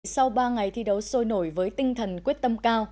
sau ba ngày thi đấu sôi nổi với tinh thần quyết tâm cao